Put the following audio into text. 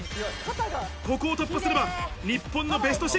ここを突破すれば日本のベスト６。